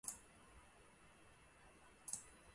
造成多名记者警察受伤